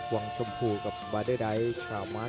กันต่อแพทย์จินดอร์